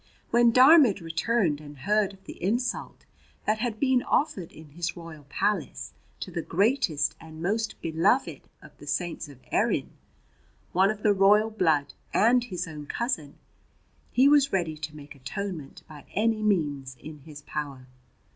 When Diarmaid returned and heard of the insult that had been offered in his royal palace to the greatest and most beloved of the Saints of Erin, one of the royal blood and his own cousin, he was ready to make atonement by any means in his power.